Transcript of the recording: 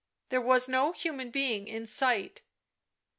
There was no human being in sight.